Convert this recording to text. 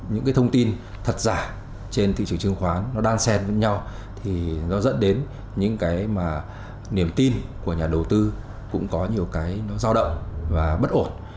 những thông tin thật giả trên thị trường chứng khoán đang xen với nhau dẫn đến những niềm tin của nhà đầu tư cũng có nhiều cái giao động và bất ổn